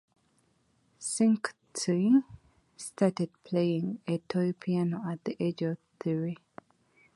Cincotti started playing a toy piano at the age of three.